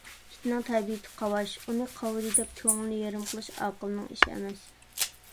ئىتنىڭ تەبىئىتى قاۋاش. ئۇنى قاۋىدى دەپ، كۆڭۈلنى يېرىم قىلىش ئاقىلنىڭ ئىشى ئەمەس.